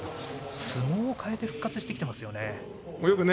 相撲を変えて復活してきてますね。